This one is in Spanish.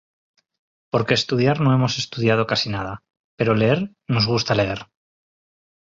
Porque estudiar no hemos estudiado casi nada, pero leer nos gusta leer.